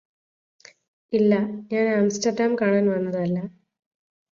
ഇല്ലാ ഞാന് ആംസ്റ്റർഡാം കാണാൻ വന്നതല്ലാ